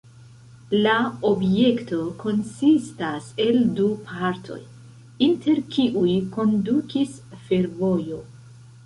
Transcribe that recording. La objekto konsistas el du partoj, inter kiuj kondukis fervojo.